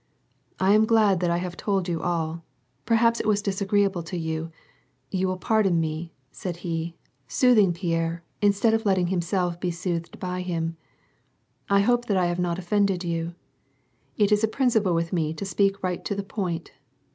" I am glad that I have told you all. Perhaps it was dis agreeable to you ; you will pardon me," said he, soothing Pierre instead of letting himself be soothed by him. "I hope that I have not offended you. It is a principle with me to speak right to the point.